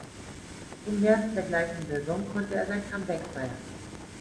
Im März der gleichen Saison konnte er sein Comeback feiern.